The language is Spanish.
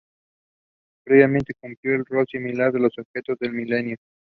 Previamente cumplió un rol similar con los Objetivos del Milenio.